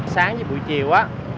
sáng với buổi chiều